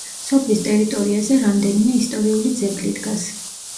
სოფლის ტერიტორიაზე რამდენიმე ისტორიული ძეგლი დგას.